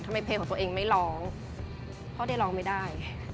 เพลงของตัวเองไม่ร้องเพราะได้ร้องไม่ได้